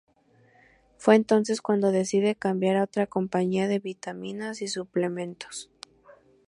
Fue entonces cuando decide cambiar a otra compañía de vitaminas y suplementos.